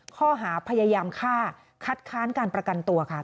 ข้อหาพยายามฆ่าคัดค้านการประกันตัวค่ะ